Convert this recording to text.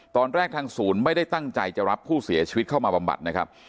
ทางศูนย์ไม่ได้ตั้งใจจะรับผู้เสียชีวิตเข้ามาบำบัดนะครับ